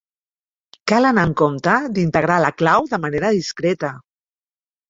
Cal anar amb compte d'integrar la clau de manera discreta.